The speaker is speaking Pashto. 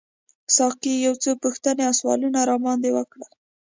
ساقي یو څو پوښتنې او سوالونه راباندي وکړل.